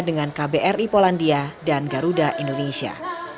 dengan kbri polandia dan garuda indonesia